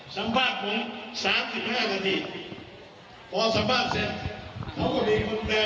สัมภาพมึง๓๕นาทีพอสัมภาพเสร็จเขาก็เลยคนแพร่ไปออกแล้วค่ะ